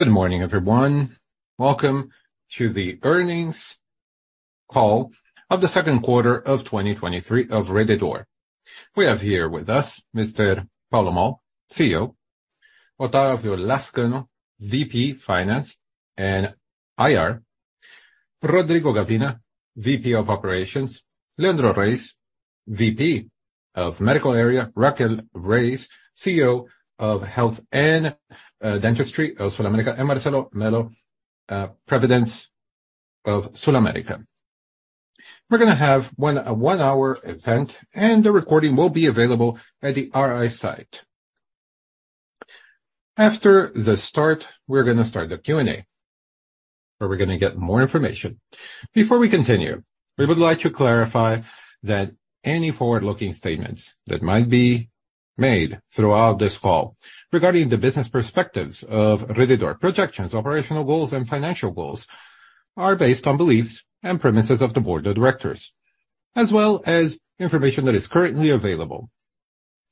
Good morning, everyone. Welcome to the earnings call of the second quarter of 2023 of Rede D'Or. We have here with us Mr. Paulo Moll, CEO, Otávio Lazcano, VP Finance and IR, Rodrigo Gavina, VP of Operations, Leandro Reis, VP of Medical Area, Raquel Reis, CEO of Health and Dentistry of SulAmérica, and Marcelo Mello, Presidents of SulAmérica. We're gonna have one-hour event, and the recording will be available at the RI site. After the start, we're gonna start the Q&A, where we're gonna get more information. Before we continue, we would like to clarify that any forward-looking statements that might be made throughout this call regarding the business perspectives of Rede D'Or, projections, operational goals and financial goals, are based on beliefs and premises of the board of directors, as well as information that is currently available.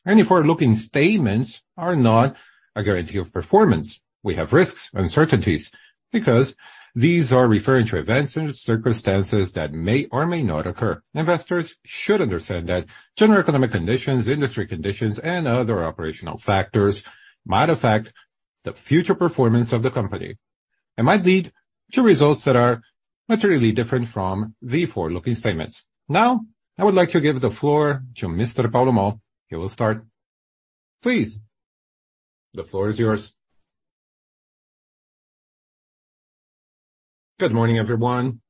Any forward-looking statements are not a guarantee of performance. We have risks and uncertainties because these are referring to events and circumstances that may or may not occur. Investors should understand that general economic conditions, industry conditions, and other operational factors might affect the future performance of the company and might lead to results that are materially different from the forward-looking statements. I would like to give the floor to Mr. Paulo Moll. He will start. Please, the floor is yours. Good morning, everyone.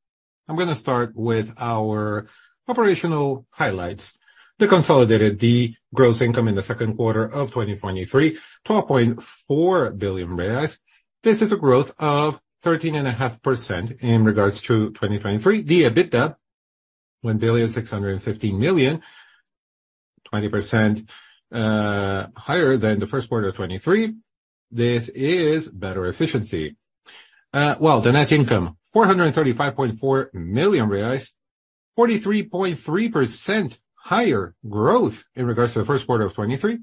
I'm going to start with our operational highlights. The consolidated, the gross income in the second quarter of 2023, BRL $12.4 billion. This is a growth of 13.5% in regards to 2023. The EBITDA, BRL $1.615 billion, 20% higher than the 1Q 2023. This is better efficiency. Well, the net income, 435.4 million reais, 43.3% higher growth in regards to the first quarter of 2023.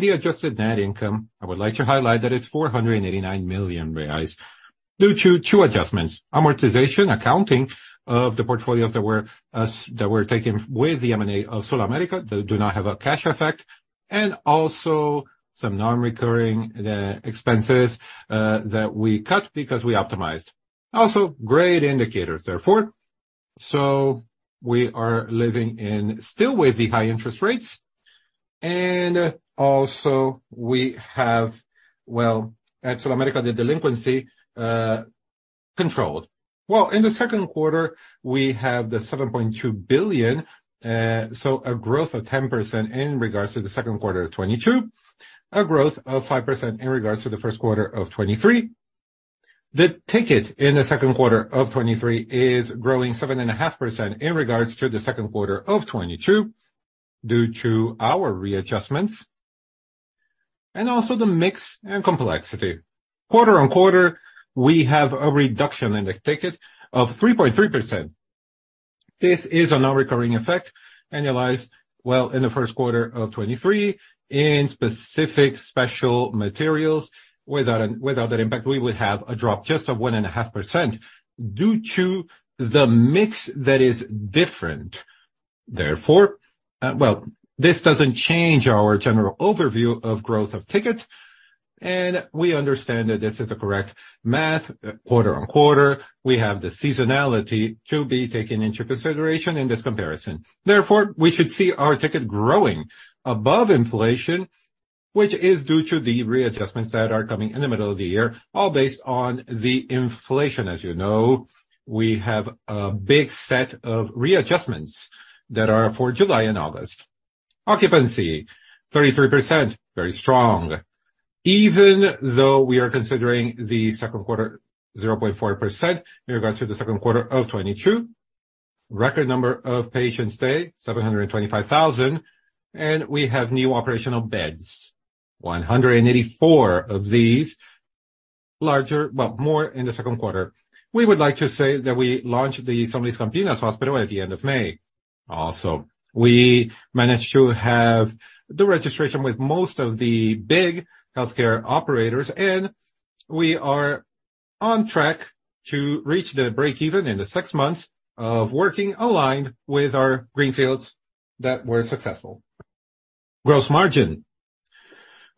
The adjusted net income, I would like to highlight that it's 489 million reais, due to two adjustments: amortization, accounting of the portfolios that were taken with the M&A of SulAmérica, that do not have a cash effect, and also some non-recurring expenses that we cut because we optimized. Great indicators, therefore, we are living in still with the high interest rates, and also we have, well, at SulAmérica, the delinquency controlled. Well, in the second quarter, we have the 7.2 billion, so a growth of 10% in regards to the second quarter of 2022, a growth of 5% in regards to the first quarter of 2023. The ticket in the second quarter of 2023 is growing 7.5% in regards to the second quarter of 2022, due to our readjustments and also the mix and complexity. Quarter-on-quarter, we have a reduction in the ticket of 3.3%. This is a non-recurring effect, analyzed well in the first quarter of 2023, in specific special materials. Without, without that impact, we would have a drop just of 1.5% due to the mix that is different. Well, this doesn't change our general overview of growth of tickets, and we understand that this is the correct math. Quarter-on-quarter, we have the seasonality to be taken into consideration in this comparison. Therefore, we should see our ticket growing above inflation, which is due to the readjustments that are coming in the middle of the year, all based on the inflation. As you know, we have a big set of readjustments that are for July and August. Occupancy, 33%, very strong, even though we are considering the second quarter 0.4% in regards to the second quarter of 2022. Record number of patients stay, 725,000, and we have new operational beds, 184 of these. Well, more in the second quarter. We would like to say that we launched the Somos Campinas Hospital at the end of May. We managed to have the registration with most of the big healthcare operators, and we are on track to reach the break-even in the six months of working aligned with our greenfields that were successful. Gross margin.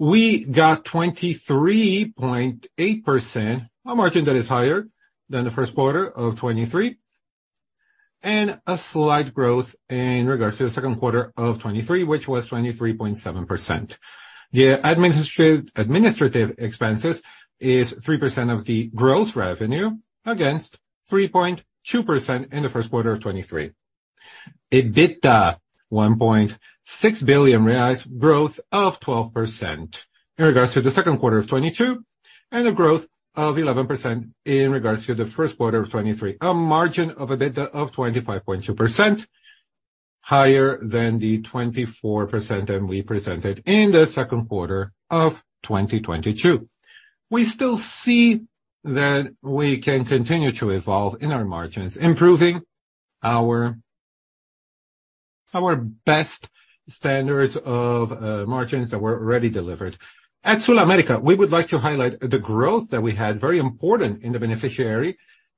We got 23.8%, a margin that is higher than the 1Q 2023, and a slight growth in regards to the 2Q 2023, which was 23.7%. The administrative expenses is 3% of the gross revenue, against 3.2% in the 1Q 2023. EBITDA, 1.6 billion reais, growth of 12% in regards to the 2Q 2022, and a growth of 11% in regards to the 1Q 2023. A margin of EBITDA of 25.2%, higher than the 24% that we presented in the 2Q2022. We still see that we can continue to evolve in our margins, improving our, our best standards of margins that were already delivered. At SulAmérica, we would like to highlight the growth that we had, very important in the beneficiary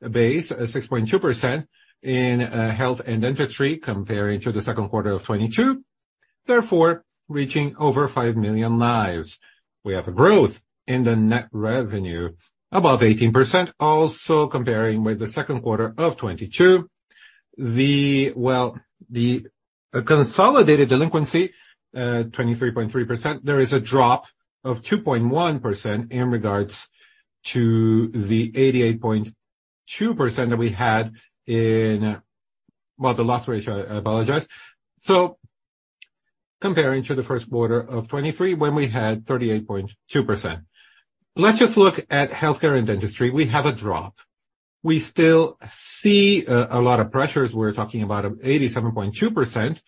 base, 6.2% in health and dentistry, comparing to the 2Q2022, therefore reaching over 5 million lives. We have a growth in the net revenue above 18%, also comparing with the 2Q2022. Well, the consolidated delinquency, 23.3%. There is a drop of 2.1% in regards to the 88.2% that we had in. Well, the loss ratio, I apologize. Comparing to the first quarter of 2023, when we had 38.2%. Let's just look at healthcare and dentistry. We have a drop. We still see a lot of pressures. We're talking about 87.2%,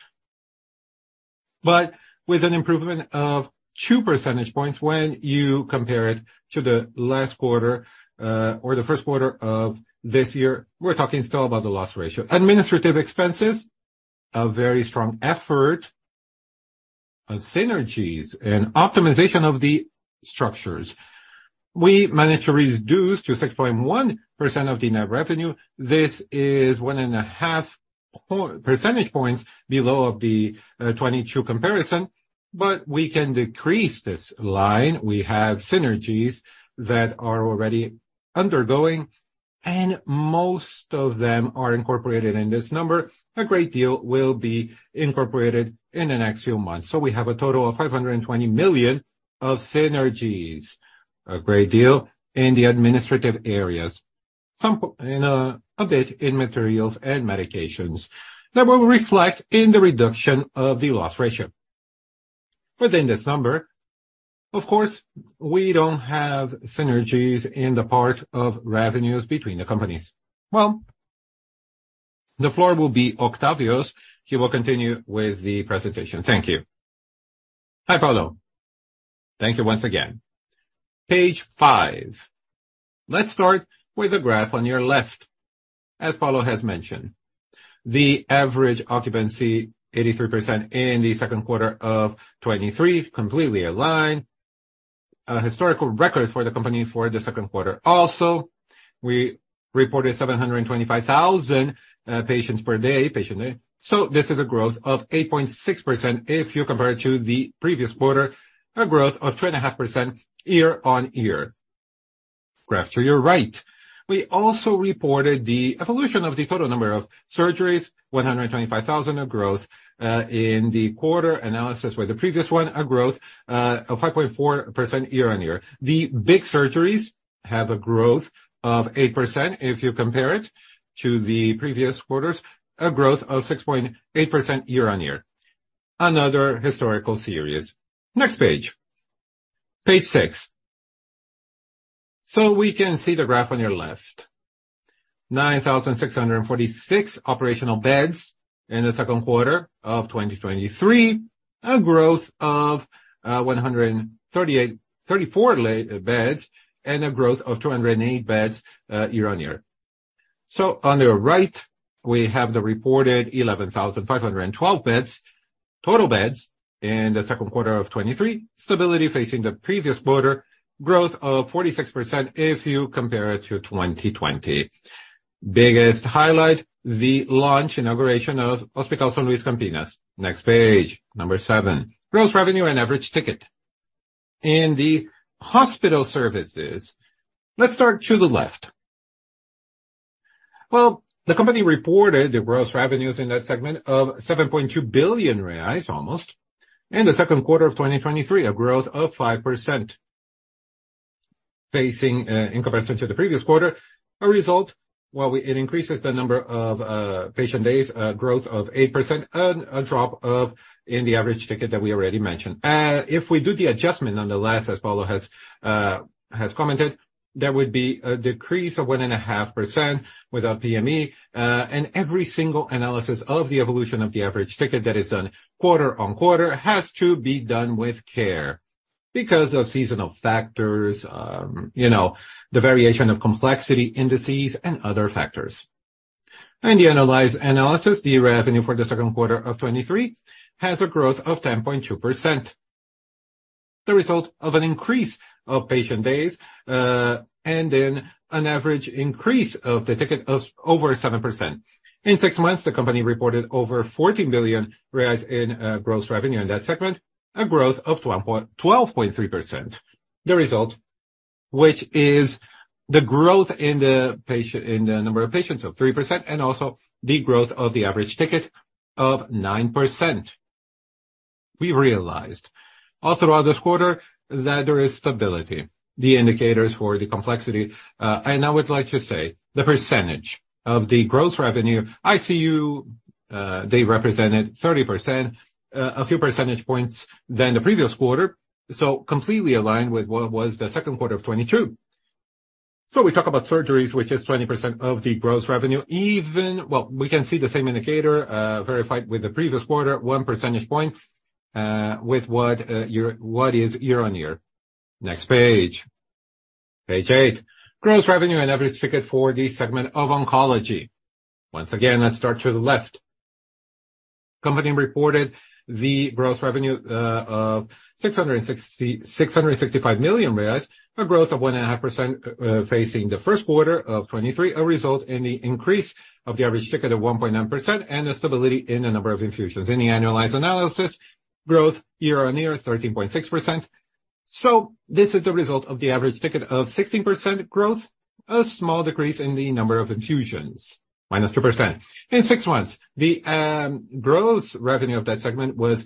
but with an improvement of 2 percentage points when you compare it to the last quarter, or the first quarter of this year, we're talking still about the loss ratio. Administrative expenses, a very strong effort on synergies and optimization of the structures. We managed to reduce to 6.1% of the net revenue. This is 1.5 percentage points below of the 2022 comparison, but we can decrease this line. We have synergies that are already undergoing, and most of them are incorporated in this number. A great deal will be incorporated in the next few months. We have a total of $520 million of synergies, a great deal in the administrative areas, some in, a bit in materials and medications, that will reflect in the reduction of the loss ratio. Within this number, of course, we don't have synergies in the part of revenues between the companies. Well, the floor will be Otávio Lazcano. He will continue with the presentation. Thank you. Hi, Paulo Moll. Thank you once again. Page five. Let's start with the graph on your left. As Paulo Moll has mentioned, the average occupancy, 83% in the second quarter of 2023, completely aligned. A historical record for the company for the second quarter. We reported 725,000 patients per day, patient day, this is a growth of 8.6% if you compare it to the previous quarter, a growth of 2.5% year-on-year. Graph to your right. We also reported the evolution of the total number of surgeries, 125,000, a growth in the quarter analysis, where the previous one, a growth of 5.4% year-on-year. The big surgeries have a growth of 8% if you compare it to the previous quarters, a growth of 6.8% year-on-year. Another historical series. Next page. Page six. We can see the graph on your left. 9,646 operational beds in the 2Q 2023, a growth of 138, 34 lay, beds, and a growth of 208 beds year-on-year. On your right, we have the reported 11,512 beds, total beds, in the 2Q 2023. Stability facing the previous quarter, growth of 46% if you compare it to 2020. Biggest highlight, the launch inauguration of Hospital São Luiz Campinas. Next page, seven. Gross revenue and average ticket. In the hospital services, let's start to the left. Well, the company reported the gross revenues in that segment of R$7.2 billion reais, almost, in the 2Q 2023, a growth of 5%. Facing, in comparison to the previous quarter, a result, while we, it increases the number of patient days, a growth of 8% and a drop of in the average ticket that we already mentioned. If we do the adjustment on the last, as Paulo has commented, there would be a decrease of 1.5% with our PME, and every single analysis of the evolution of the average ticket that is done quarter-on-quarter has to be done with care because of seasonal factors, you know, the variation of complexity indices and other factors. In the analyzed analysis, the revenue for the second quarter of 2023 has a growth of 10.2%. The result of an increase of patient days, and then an average increase of the ticket of over 7%. In six months, the company reported over 14 billion reais in gross revenue in that segment, a growth of 12.3%. The result, which is the growth in the patient, in the number of patients, of 3%, and also the growth of the average ticket of 9%. We realized all throughout this quarter that there is stability, the indicators for the complexity. And I would like to say, the percentage of the gross revenue, ICU, they represented 30%, a few percentage points than the previous quarter, so completely aligned with what was the second quarter of 2022. We talk about surgeries, which is 20% of the gross revenue. Well, we can see the same indicator verified with the previous quarter, one percentage point, with what year, what is year-on-year. Next page. Page eight, gross revenue and average ticket for the segment of oncology. Once again, let's start to the left. Company reported the gross revenue of 665 million reais, a growth of 1.5%, facing the first quarter of 2023, a result in the increase of the average ticket of 1.9% and the stability in the number of infusions. In the annualized analysis, growth year-on-year, 13.6%. This is the result of the average ticket of 16% growth, a small decrease in the number of infusions, -2%. In six months, the gross revenue of that segment was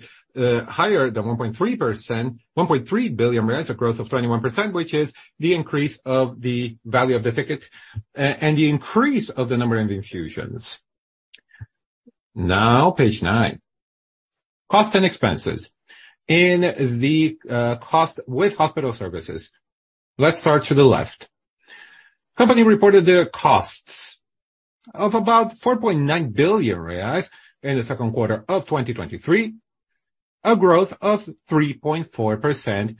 higher than 1.3% 1.3 billion reais, a growth of 21%, which is the increase of the value of the ticket, and the increase of the number of infusions. Now, page nine, cost and expenses. In the cost with hospital services, let's start to the left. Company reported the costs of about 4.9 billion reais in the second quarter of 2023, a growth of 3.4%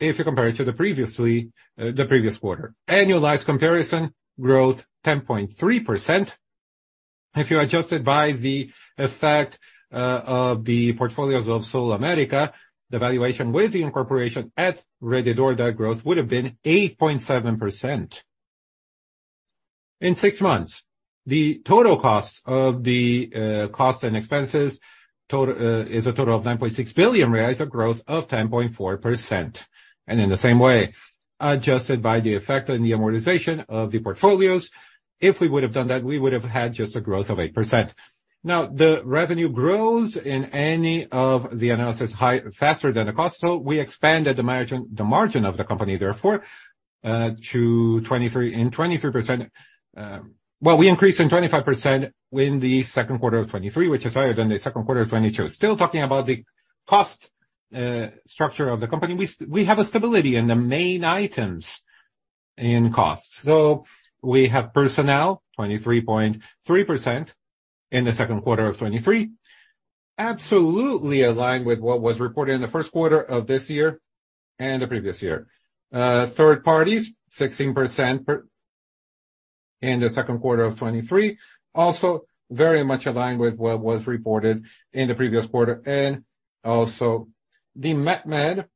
if you compare it to the previously, the previous quarter. Annualized comparison, growth 10.3%. If you adjust it by the effect of the portfolios of SulAmérica, the valuation with the incorporation at Rede D'Or, that growth would have been 8.7%. In six months, the total cost of the cost and expenses total is a total of 9.6 billion reais, a growth of 10.4%. In the same way, adjusted by the effect and the amortization of the portfolios, if we would have done that, we would have had just a growth of 8%. The revenue grows in any of the analysis faster than the cost, so we expanded the margin, the margin of the company, therefore, to 2023, in 23%. Well, we increased in 25% in 2Q 2023, which is higher than 2Q 2022. Talking about the cost structure of the company, we have a stability in the main items in cost. We have personnel, 23.3% in 2Q 2023. Absolutely aligned with what was reported in the first quarter of this year and the previous year. Third parties, 16% per, in the second quarter of 2023, also very much aligned with what was reported in the previous quarter, and also the MatMed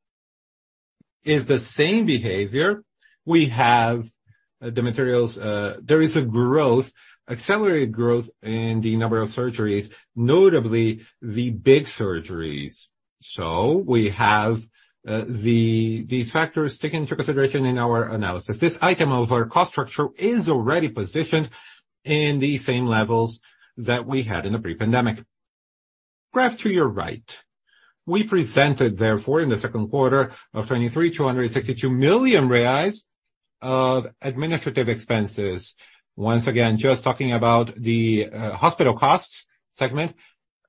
is the same behavior. We have the materials, there is a growth, accelerated growth, in the number of surgeries, notably the big surgeries. We have, the, these factors take into consideration in our analysis. This item of our cost structure is already positioned in the same levels that we had in the pre-pandemic. Graph to your right. We presented, therefore, in the second quarter of 2023, 262 million reais of administrative expenses. Once again, just talking about the, hospital costs segment,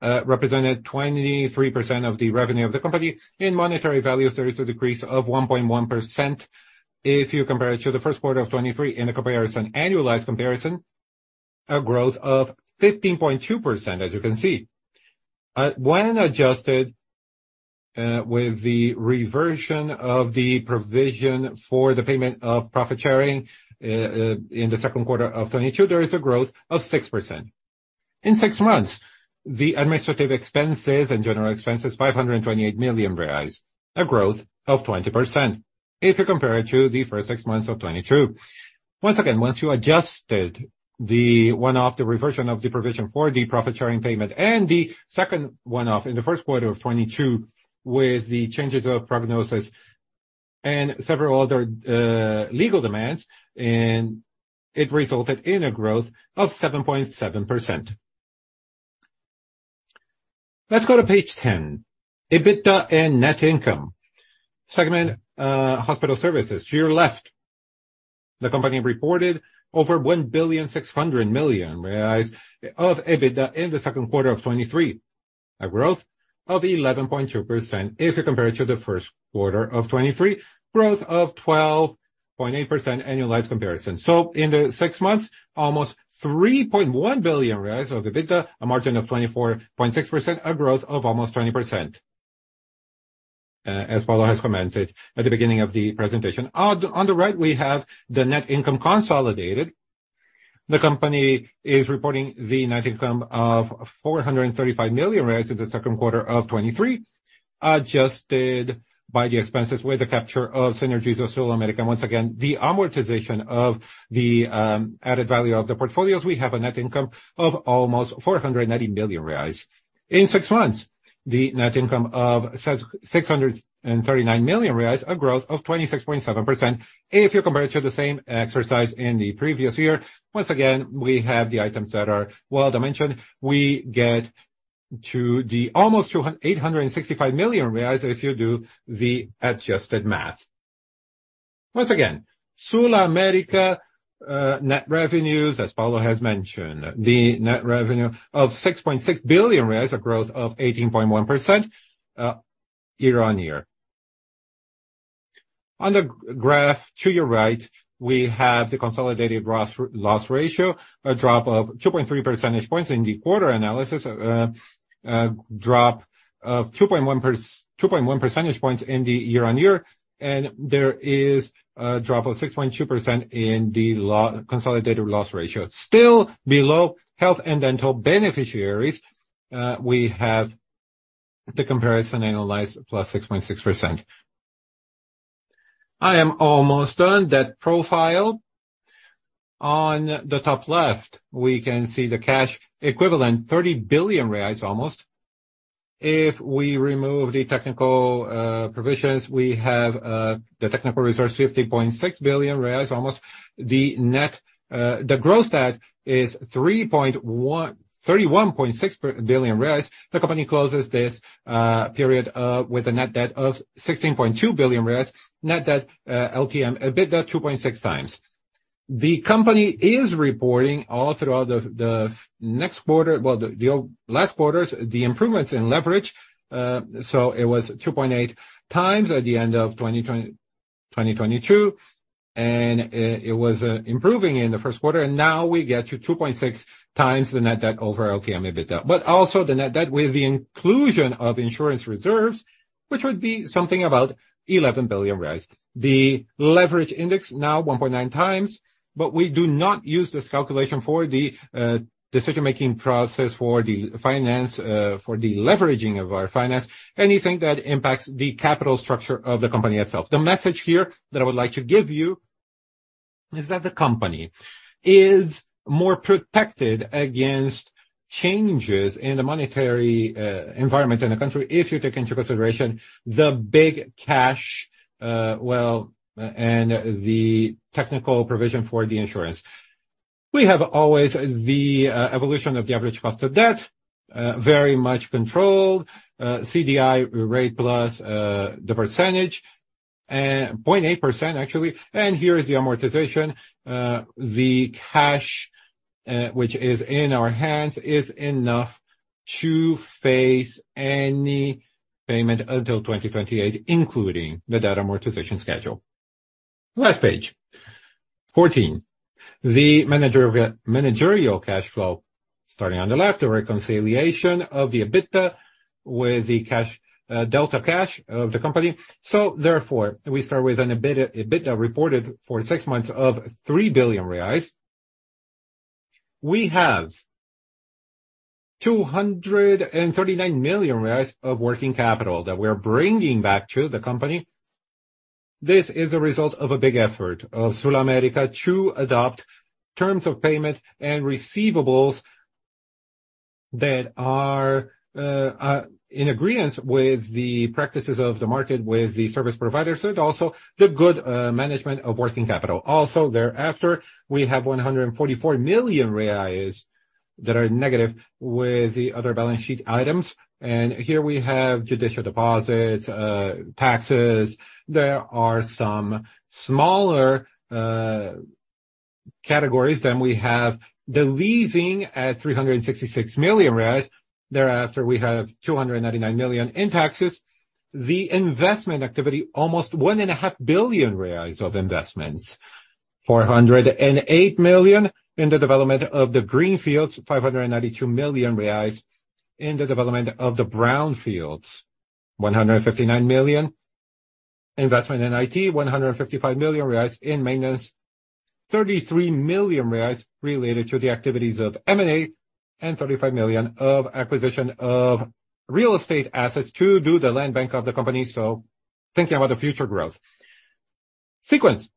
represented 23% of the revenue of the company. In monetary values, there is a decrease of 1.1% if you compare it to the first quarter of 2023. In a comparison, annualized comparison, a growth of 15.2%, as you can see. When adjusted, with the reversion of the provision for the payment of profit sharing, in the second quarter of 2022, there is a growth of 6%. In six months, the administrative expenses and general expenses, 528 million reais, a growth of 20% if you compare it to the first six months of 2022. Once again, once you adjusted the one-off, the reversion of the provision for the profit sharing payment and the second one-off in the first quarter of 2022, with the changes of prognosis and several other legal demands, it resulted in a growth of 7.7%. Let's go to page 10, EBITDA and net income. Segment, hospital services. To your left, the company reported over 1.6 billion of EBITDA in the second quarter of 2023, a growth of 11.2% if you compare it to the first quarter of 2023, growth of 12.8% annualized comparison. In the 6 months, almost 3.1 billion of EBITDA, a margin of 24.6%, a growth of almost 20%, as Paulo has commented at the beginning of the presentation. On the, on the right, we have the net income consolidated. The company is reporting the net income of BRL 435 million in the second quarter of 2023, adjusted by the expenses with the capture of synergies of SulAmérica. Once again, the amortization of the added value of the portfolios, we have a net income of almost 490 million reais. In six months, the net income of 639 million reais, a growth of 26.7% if you compare it to the same exercise in the previous year. Once again, we have the items that are well dimensioned. We get to the almost 865 million reais if you do the adjusted math. Once again, SulAmérica net revenues, as Paulo has mentioned, the net revenue of 6.6 billion, a growth of 18.1% year-on-year. On the graph to your right, we have the consolidated loss, loss ratio, a drop of 2.3 percentage points in the quarter analysis, a drop of 2.1 percentage points in the year-on-year, There is a drop of 6.2% in the consolidated loss ratio. Still below health and dental beneficiaries, we have the comparison analyzed +6.6%. I am almost done. Debt profile. On the top left, we can see the cash equivalent, 30 billion reais almost. If we remove the technical provisions, we have the technical resource, 50.6 billion reais almost. The net, the gross debt is 31.6 billion reais. The company closes this period with a net debt of 16.2 billion reais, net debt LTM EBITDA 2.6x. The company is reporting all throughout the last quarters, the improvements in leverage. So it was 2.8x at the end of 2022, and it was improving in the first quarter, and now we get to 2.6x the net debt over LTM EBITDA. Also the net debt with the inclusion of insurance reserves, which would be something about 11 billion. The leverage index, now 1.9x, but we do not use this calculation for the decision-making process for the finance, for the leveraging of our finance, anything that impacts the capital structure of the company itself. The message here that I would like to give you, is that the company is more protected against changes in the monetary environment in the country, if you take into consideration the big cash, well, and the technical provision for the insurance. We have always the evolution of the average cost of debt, very much controlled, CDI rate plus 0.8%, actually. Here is the amortization. The cash, which is in our hands, is enough to face any payment until 2028, including the data amortization schedule. Last page, 14. The managerial cash flow, starting on the left, the reconciliation of the EBITDA with the cash, delta cash of the company. Therefore, we start with an EBITDA, EBITDA reported for six months of 3 billion reais. We have 239 million reais of working capital that we are bringing back to the company. This is a result of a big effort of SulAmérica to adopt terms of payment and receivables that are in agreeance with the practices of the market, with the service providers, and also the good management of working capital. Thereafter, we have 144 million reais that are negative with the other balance sheet items. Here we have judicial deposits, taxes. There are some smaller categories. We have the leasing at 366 million. Thereafter, we have 299 million in taxes. The investment activity, almost 1.5 billion reais of investments. 408 million in the development of the greenfields. 592 million reais in the development of the brownfields. 159 million investment in IT. 155 million reais in maintenance. 33 million reais related to the activities of M&A, 35 million of acquisition of real estate assets to do the land bank of the company. Thinking about the future growth. Sequence.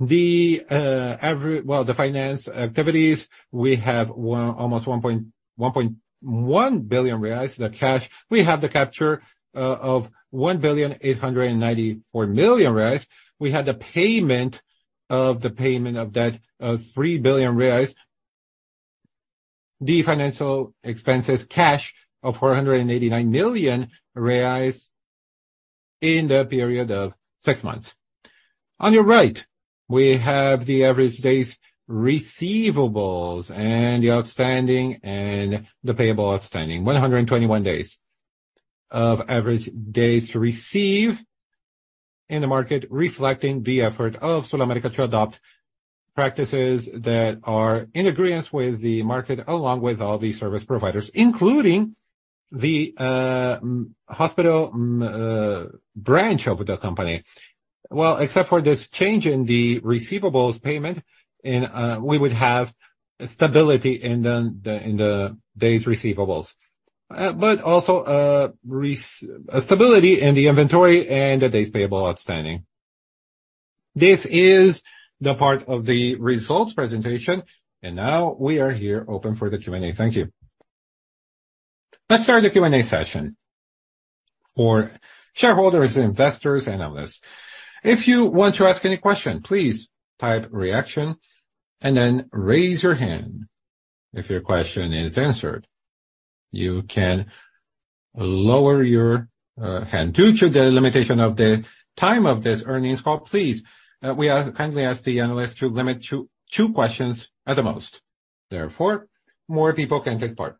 The average. Well, the finance activities, we have 1.1 billion reais, the cash. We have the capture of 1.894 billion. We had the payment of the payment of debt of 3 billion reais. The financial expenses, cash of 489 million reais in the period of six months. On your right, we have the average days receivables, and the outstanding, and the payable outstanding. 121 days of average days to receive in the market, reflecting the effort of SulAmérica to adopt practices that are in agreeance with the market, along with all the service providers, including the hospital branch of the company. Except for this change in the receivables payment, we would have stability in the days receivables. Also, stability in the inventory and the days payable outstanding. This is the part of the results presentation, and now we are here open for the Q&A. Thank you. Let's start the Q&A session for shareholders, investors, and analysts. If you want to ask any question, please type reaction and then raise your hand. If your question is answered, you can lower your hand. Due to the limitation of the time of this earnings call, please, we kindly ask the analyst to limit to two questions at the most, therefore, more people can take part.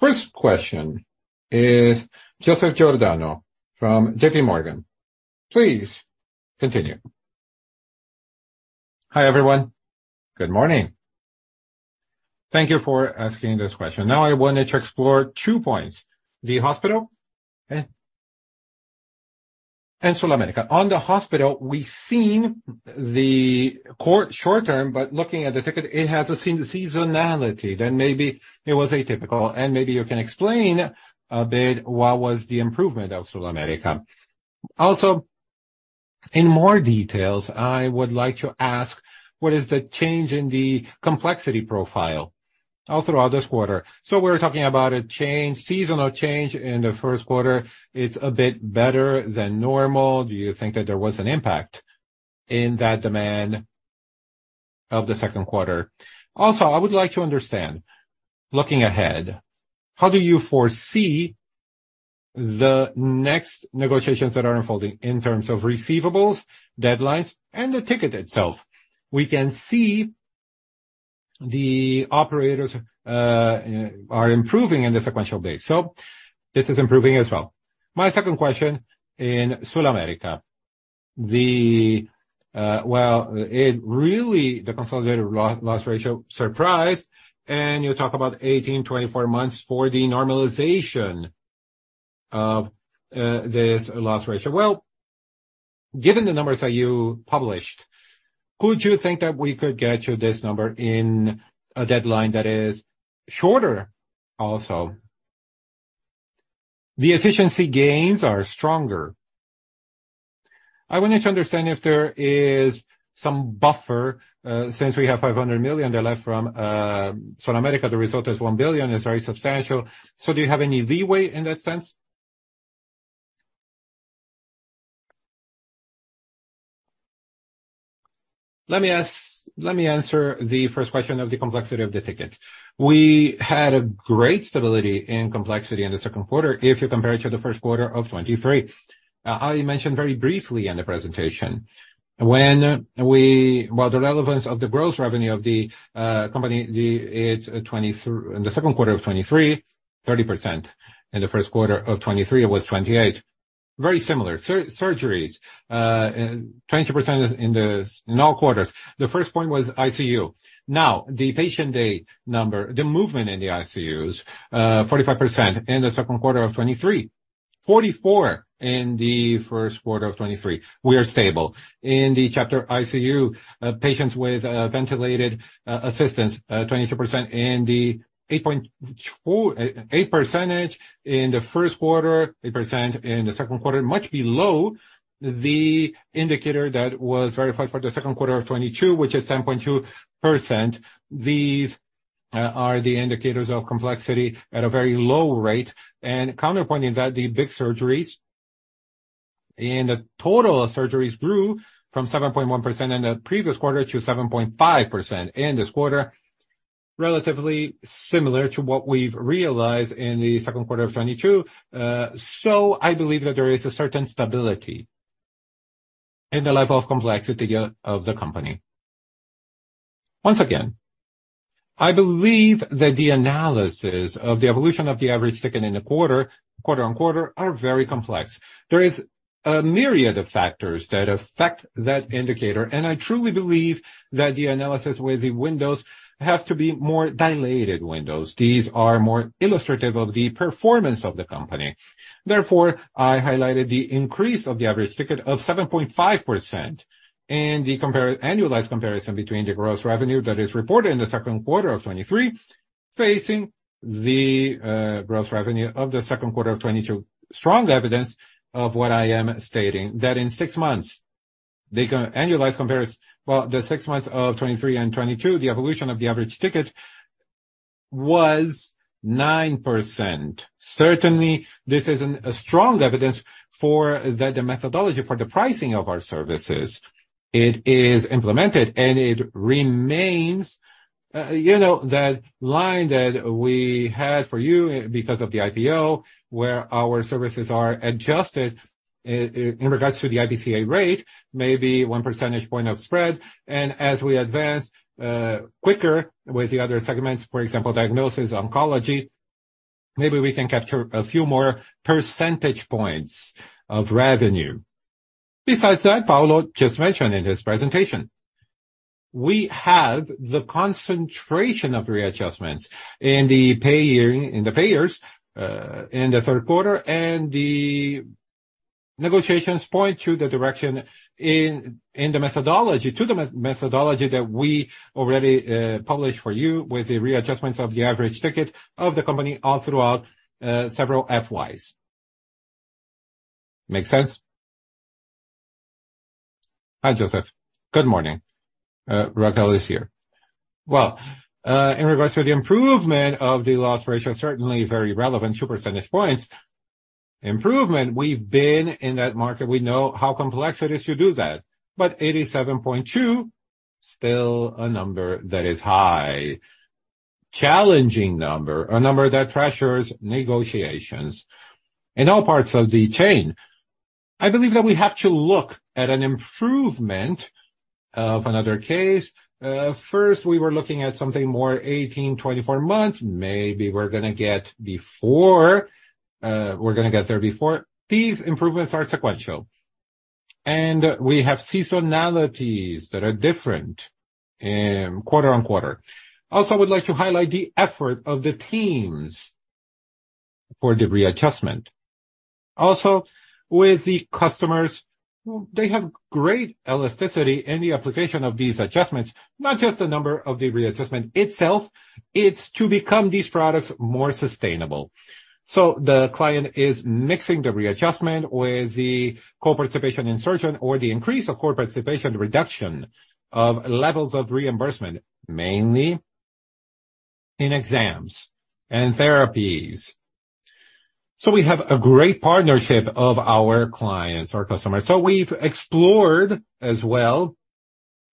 First question is Joseph Giordano from J.P. Morgan. Please continue. Hi, everyone. Good morning. Thank you for asking this question. Now, I wanted to explore two points: the hospital and SulAmérica. On the hospital, we've seen the short term, but looking at the ticket, it has a season, seasonality, then maybe it was atypical, and maybe you can explain a bit what was the improvement of SulAmérica. In more details, I would like to ask, what is the change in the complexity profile all throughout this quarter? We're talking about a change, seasonal change in the first quarter. It's a bit better than normal. Do you think that there was an impact in that demand of the second quarter? I would like to understand, looking ahead, how do you foresee the next negotiations that are unfolding in terms of receivables, deadlines, and the ticket itself? We can see the operators are improving in the sequential base, this is improving as well. My second question in SulAmérica, the. Well, it really the consolidated loss ratio surprised, and you talk about 18, 24 months for the normalization of this loss ratio. Well, given the numbers that you published, could you think that we could get to this number in a deadline that is shorter? The efficiency gains are stronger. I wanted to understand if there is some buffer, since we have 500 million left from SulAmérica, the result is 1 billion. It's very substantial. Do you have any leeway in that sense? Let me answer the first question of the complexity of the ticket. We had a great stability in complexity in the second quarter if you compare it to the first quarter of 2023. I mentioned very briefly in the presentation, when we while the relevance of the gross revenue of the company, it's 20- in the second quarter of 2023, 30%. In the first quarter of 2023, it was 28%. Very similar. Surgeries, 22% is in all quarters. The first point was ICU. Now, the patient day number, the movement in the ICUs, 45% in the second quarter of 2023, 44 in the first quarter of 2023. We are stable. In the chapter ICU, patients with ventilated assistance, 22% in the 8.4% to8% in the first quarter, 8% in the second quarter, much below the indicator that was verified for the second quarter of 2022, which is 10.2%. These are the indicators of complexity at a very low rate. Counterpointing that, the big surgeries and the total surgeries grew from 7.1% in the previous quarter to 7.5% in this quarter, relatively similar to what we've realized in the second quarter of 2022. I believe that there is a certain stability in the level of complexity of the company. Once again, I believe that the analysis of the evolution of the average ticket in the quarter, quarter-on-quarter, are very complex. There is a myriad of factors that affect that indicator. I truly believe that the analysis with the windows have to be more dilated windows. These are more illustrative of the performance of the company. Therefore, I highlighted the increase of the average ticket of 7.5% and the annualized comparison between the gross revenue that is reported in the second quarter of 2023, facing the gross revenue of the second quarter of 2022. Strong evidence of what I am stating, that in six months, the annualized comparison. Well, the six months of 2023 and 2022, the evolution of the average ticket was 9%. Certainly, this is a strong evidence for that the methodology for the pricing of our services, it is implemented and it remains, you know, that line that we had for you because of the IPO, where our services are adjusted in regards to the IPCA rate, maybe 1 percentage point of spread. As we advance quicker with the other segments, for example, diagnosis, oncology, maybe we can capture a few more percentage points of revenue. Besides that, Paulo just mentioned in his presentation, we have the concentration of readjustments in the payer, in the payers, in the third quarter, and the negotiations point to the direction in the methodology to the methodology that we already published for you, with the readjustments of the average ticket of the company all throughout several FYs. Make sense? Hi, Joseph. Good morning. Raquel is here. Well, in regards to the improvement of the loss ratio, certainly very relevant, 2 percentage points. Improvement, we've been in that market, we know how complex it is to do that. 87.2, still a number that is high. Challenging number, a number that pressures negotiations in all parts of the chain. I believe that we have to look at an improvement of another case. First, we were looking at something more 18 to 24 months. Maybe we're gonna get before, we're gonna get there before. These improvements are sequential. We have seasonalities that are different in quarter-on-quarter. I would like to highlight the effort of the teams for the readjustment. With the customers, they have great elasticity in the application of these adjustments, not just the number of the readjustment itself, it's to become these products more sustainable. The client is mixing the readjustment with the co-participation in surgeon or the increase of co-participation, reduction of levels of reimbursement, mainly in exams and therapies. We have a great partnership of our clients, our customers. We've explored as well,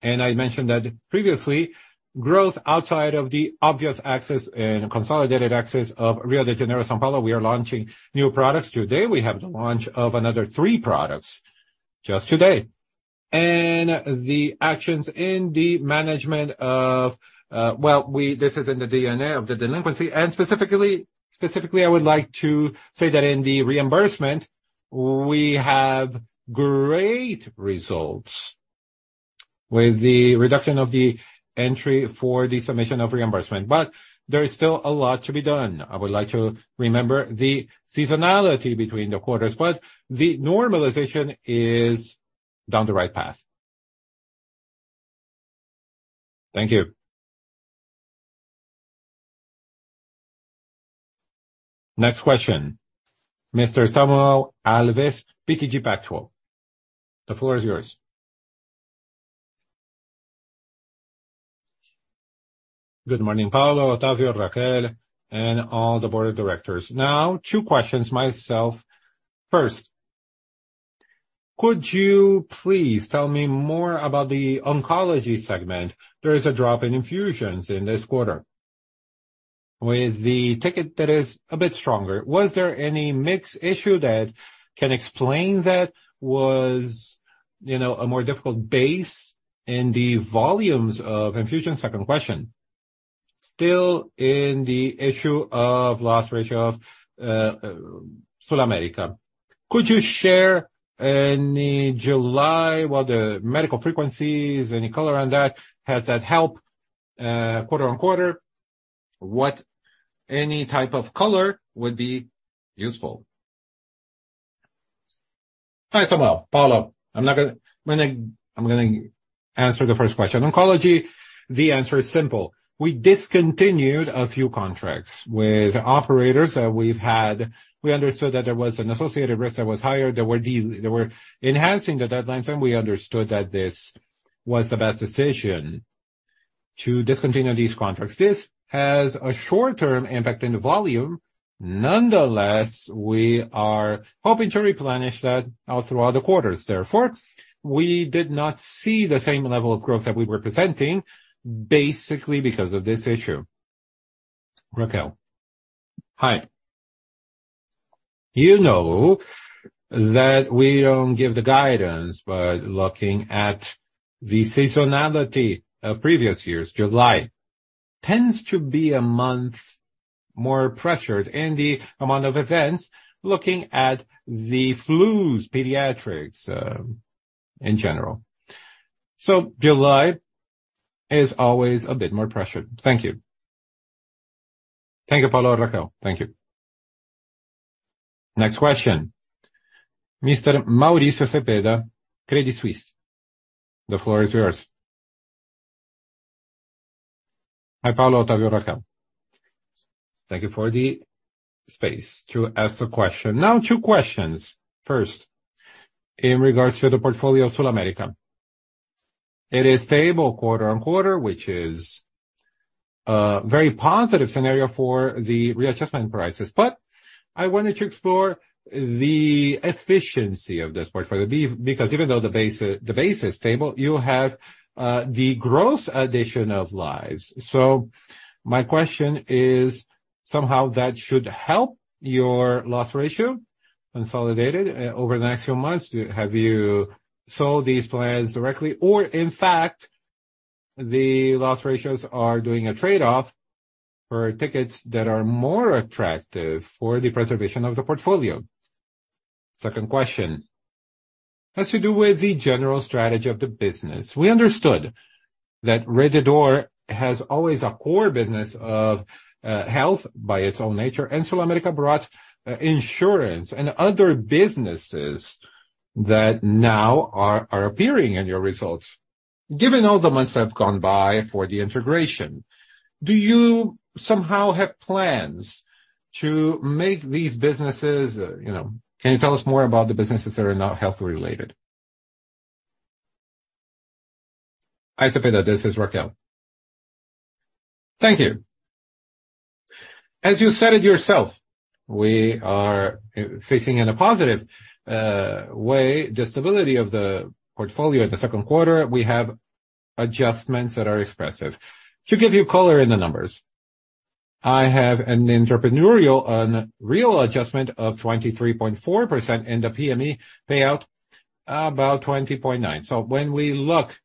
and I mentioned that previously, growth outside of the obvious access and consolidated access of Rio de Janeiro, São Paulo. We are launching new products today. We have the launch of another three products just today. The actions in the management of this is in the DNA of the delinquency, and specifically, specifically, I would like to say that in the reimbursement, we have great results with the reduction of the entry for the submission of reimbursement. There is still a lot to be done. I would like to remember the seasonality between the quarters, the normalization is down the right path. Thank you. Next question, Mr. Samuel Alves, BTG Pactual, the floor is yours. Good morning, Paulo, Otávio, Raquel, and all the board of directors. Now, two questions myself. First, could you please tell me more about the oncology segment? There is a drop in infusions in this quarter with the ticket that is a bit stronger. Was there any mix issue that can explain that was, you know, a more difficult base in the volumes of infusion? Second question, still in the issue of loss ratio of SulAmérica. Could you share any July, what the medical frequencies, any color on that? Has that helped quarter-on-quarter? What any type of color would be useful. Hi, Samuel. Paulo, I'm gonna, I'm gonna answer the first question. Oncology, the answer is simple. We discontinued a few contracts with operators that we've had. We understood that there was an associated risk that was higher. They were enhancing the deadlines, and we understood that this was the best decision to discontinue these contracts. This has a short-term impact in the volume. Nonetheless, we are hoping to replenish that all throughout the quarters. Therefore, we did not see the same level of growth that we were presenting, basically because of this issue. Raquel. Hi. You know that we don't give the guidance, but looking at the seasonality of previous years, July tends to be a month more pressured in the amount of events, looking at the flus, pediatrics, in general. So July is always a bit more pressured. Thank you. Thank you, Paulo and Raquel. Thank you. Next question, Mr. Maurício Cepeda, Credit Suisse. The floor is yours. Hi, Paulo, Otávio, Raquel. Thank you for the space to ask the question. Two questions. First, in regards to the portfolio of SulAmérica, it is stable quarter-on-quarter, which is a very positive scenario for the readjustment prices. I wanted to explore the efficiency of this portfolio, because even though the base, the base is stable, you have the growth addition of lives. My question is, somehow that should help your loss ratio consolidated over the next few months. Have you sold these plans directly? In fact, the loss ratios are doing a trade-off for tickets that are more attractive for the preservation of the portfolio. Second question has to do with the general strategy of the business. We understood that Rede D'Or has always a core business of health by its own nature, and SulAmérica brought insurance and other businesses that now are, are appearing in your results. Given all the months that have gone by for the integration, do you somehow have plans to make these businesses, you know. Can you tell us more about the businesses that are not health-related? Hi, Cepeda, this is Raquel. Thank you. As you said it yourself, we are facing in a positive way, the stability of the portfolio. In the second quarter, we have adjustments that are expressive. To give you color in the numbers. I have an entrepreneurial on real adjustment of 23.4% and the PME payout about 20.9. When we look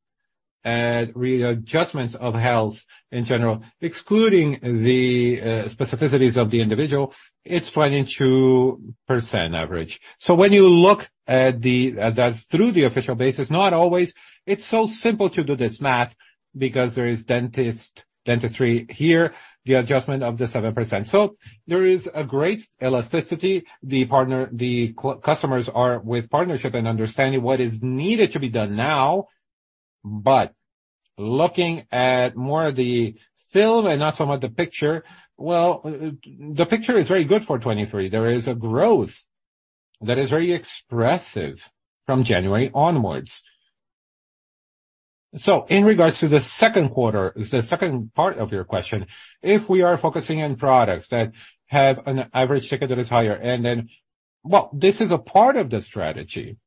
at readjustments of health in general, excluding the specificities of the individual, it's 22% average. When you look at the at that through the official basis, not always, it's so simple to do this math because there is dentist, dentistry here, the adjustment of the 7%. There is a great elasticity. The partner customers are with partnership and understanding what is needed to be done now. Looking at more of the film and not so much the picture, well, the picture is very good for 2023. There is a growth that is very expressive from January onwards. In regards to the second quarter, is the second part of your question, if we are focusing on products that have an average ticket that is higher, and then. Well, this is a part of the strategy,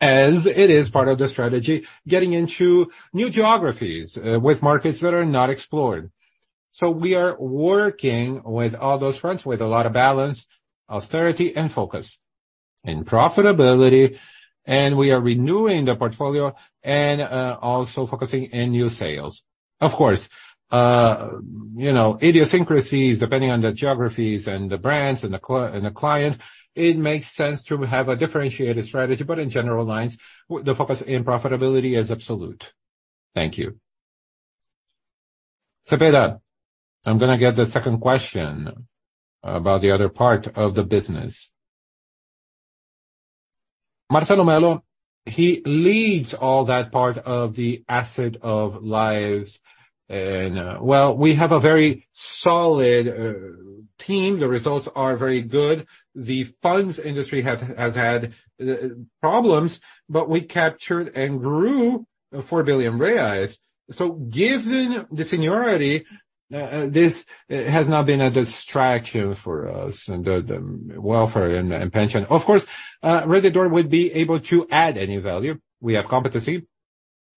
as it is part of the strategy, getting into new geographies, with markets that are not explored. We are working with all those fronts with a lot of balance, austerity, and focus, and profitability, and we are renewing the portfolio and also focusing in new sales. Of course, you know, idiosyncrasies, depending on the geographies and the brands and the client, it makes sense to have a differentiated strategy, but in general lines, the focus in profitability is absolute. Thank you. Maurício Cepeda, I'm gonna get the second question about the other part of the business. Marcelo Melo, he leads all that part of the asset of lives, and, well, we have a very solid team. The results are very good. The funds industry has, has had problems, we captured and grew 4 billion reais. Given the seniority, this has not been a distraction for us and the welfare and pension. Of course, Rede D'Or would be able to add any value. We have competency.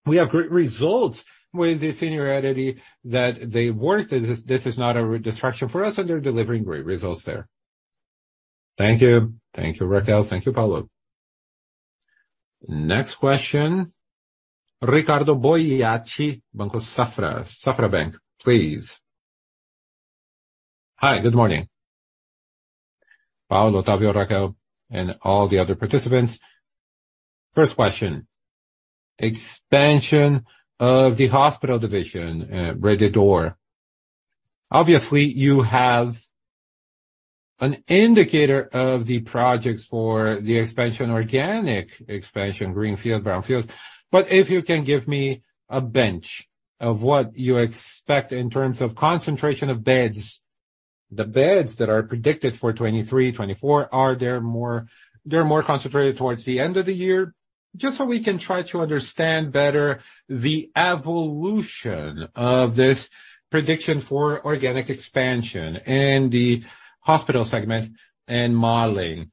We have great results with the seniority that they work. This is not a distraction for us, and they're delivering great results there. Thank you. Thank you, Raquel. Thank you, Paulo. Next question, Ricardo Boiati Banco Safra, Safra Bank, please. Hi, good morning. Paulo, Otávio, Raquel, and all the other participants. First question, expansion of the hospital division, Rede D'Or. Obviously, you have an indicator of the projects for the expansion, organic expansion, greenfield, brownfield, if you can give me a bench of what you expect in terms of concentration of beds. The beds that are predicted for 2023, 2024, they're more concentrated towards the end of the year? Just so we can try to understand better the evolution of this prediction for organic expansion in the hospital segment and modeling.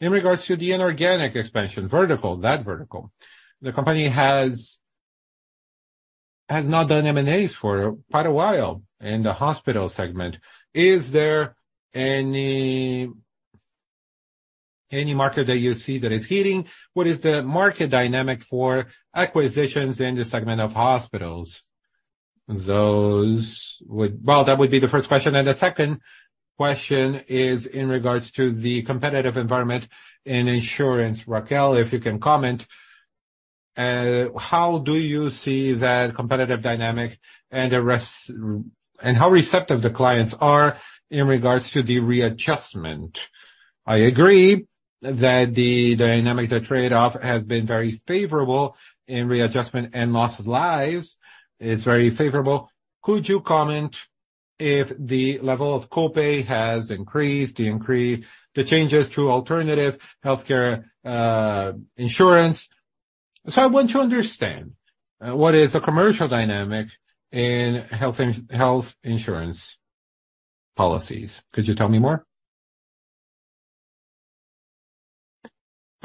In regards to the inorganic expansion, vertical, that vertical, the company has not done M&As for quite a while in the hospital segment. Is there any market that you see that is hitting? What is the market dynamic for acquisitions in the segment of hospitals? Well, that would be the first question. The second question is in regards to the competitive environment in insurance. Raquel, if you can comment, how do you see that competitive dynamic and how receptive the clients are in regards to the readjustment? I agree that the dynamic, the trade-off, has been very favorable in readjustment and loss of lives. It's very favorable. Could you comment if the level of copay has increased, the changes to alternative healthcare insurance? I want to understand what is the commercial dynamic in health insurance policies. Could you tell me more?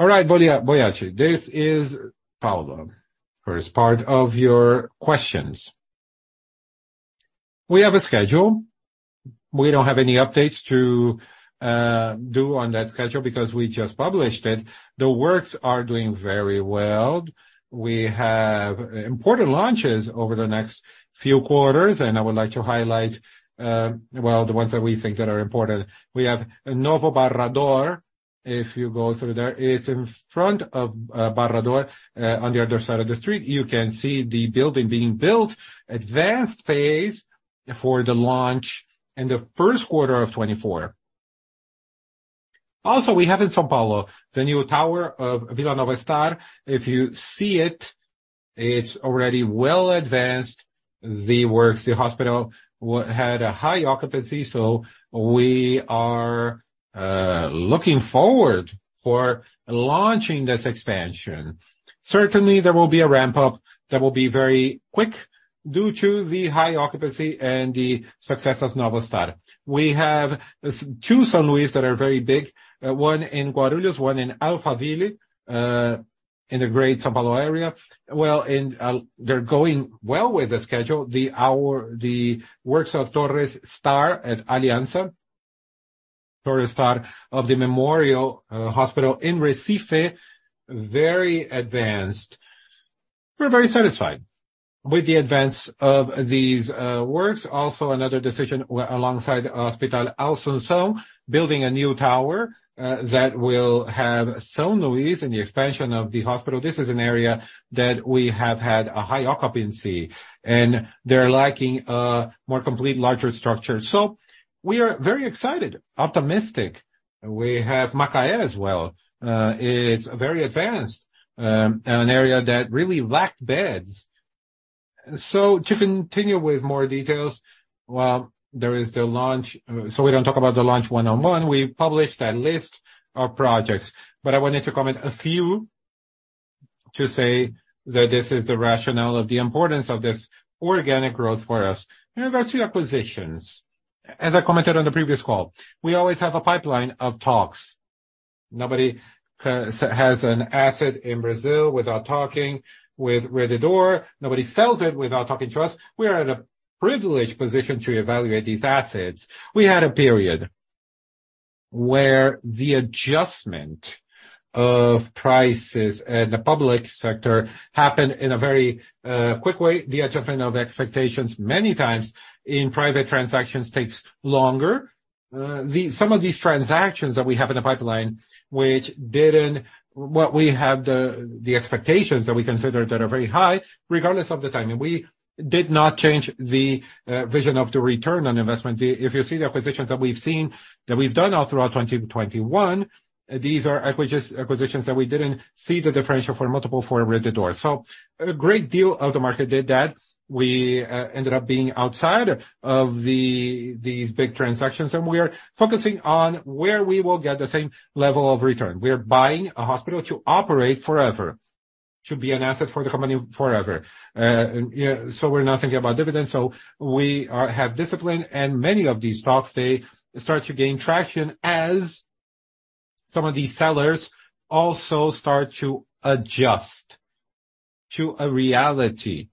All right, Boiati, this is Paulo. First part of your questions. We have a schedule. We don't have any updates to do on that schedule because we just published it. The works are doing very well. We have important launches over the next few quarters, I would like to highlight, well, the ones that we think that are important. We have Novo Barra D'Or. If you go through there, it's in front of Barra D'Or on the other side of the street. You can see the building being built. Advanced phase for the launch in the first quarter of 2024. Also, we have in São Paulo, the new tower of Vila Nova Star. If you see it, it's already well advanced, the works. The hospital had a high occupancy, so we are looking forward for launching this expansion. Certainly, there will be a ramp-up that will be very quick due to the high occupancy and the success of Nova Star. We have two São Luizes that are very big, one in Guarulhos, one in Alphaville. In the Great Sao Paulo area. Well, they're going well with the schedule. The works of Aliança Star at Aliança. Aliança Star of the Memorial Hospital in Recife, very advanced. We're very satisfied with the advance of these works. Also, another decision alongside Hospital Alcanceo, building a new tower that will have São Luiz in the expansion of the hospital. This is an area that we have had a high occupancy, and they're lacking a more complete, larger structure. We are very excited, optimistic. We have Macaé as well. It's very advanced, an area that really lacked beds. To continue with more details, well, there is the launch. We don't talk about the launch one on one. We published a list of projects, but I wanted to comment a few to say that this is the rationale of the importance of this organic growth for us. There are a few acquisitions. As I commented on the previous call, we always have a pipeline of talks. Nobody has, has an asset in Brazil without talking with Rede D'Or. Nobody sells it without talking to us. We are at a privileged position to evaluate these assets. We had a period where the adjustment of prices in the public sector happened in a very quick way. The adjustment of expectations, many times in private transactions, takes longer. Some of these transactions that we have in the pipeline, what we had the, the expectations that we considered that are very high, regardless of the timing. We did not change the vision of the return on investment. If you see the acquisitions that we've seen, that we've done all throughout 2020 to 2021, these are acquisitions that we didn't see the differential for multiple for Rede D'Or. A great deal of the market did that. We ended up being outside of the, these big transactions, and we are focusing on where we will get the same level of return. We are buying a hospital to operate forever, to be an asset for the company forever. We're not thinking about dividends. We are have discipline, and many of these talks, they start to gain traction as some of these sellers also start to adjust to a reality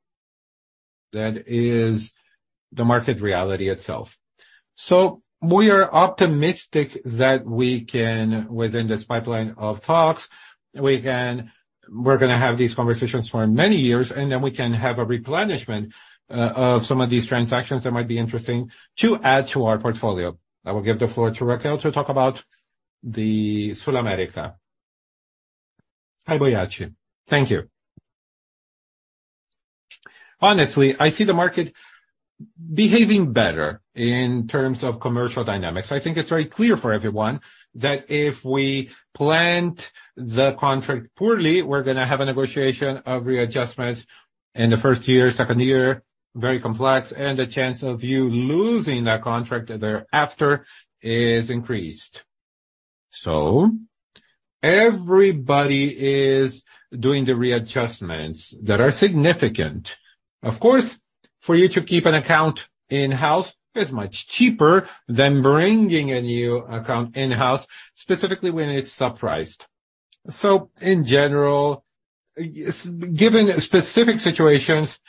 that is the market reality itself. We are optimistic that we can, within this pipeline of talks, we can we're gonna have these conversations for many years, and then we can have a replenishment of some of these transactions that might be interesting to add to our portfolio. I will give the floor to Raquel to talk about the SulAmérica. Hi, Boiati. Thank you. Honestly, I see the market behaving better in terms of commercial dynamics. I think it's very clear for everyone that if we plant the contract poorly, we're gonna have a negotiation of readjustments in the first year, second year, very complex, and the chance of you losing that contract thereafter is increased. Everybody is doing the readjustments that are significant. Of course, for you to keep an account in-house is much cheaper than bringing a new account in-house, specifically when it's surprised. In general, given specific situations,